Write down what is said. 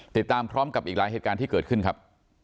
ติดตามพร้อมกับอีกหลายเหตุการณ์ที่เกิดขึ้นครับ